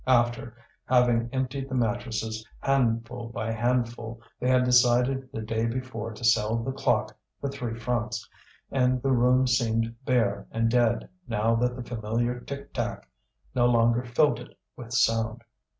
After having emptied the mattresses, handful by handful, they had decided the day before to sell the clock for three francs and the room seemed bare and dead now that the familiar tick tack no longer filled it with sound.